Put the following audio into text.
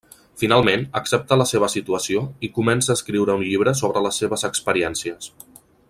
Finalment, accepta la seva situació i comença a escriure un llibre sobre les seves experiències.